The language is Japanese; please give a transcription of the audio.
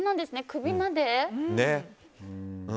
首まで。